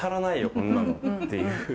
こんなのっていう。